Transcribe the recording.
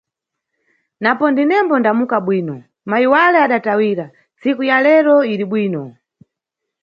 Napo ndinembo ndamuka bwino, mayi wale adatayira, ntsiku ya lero iri bwino.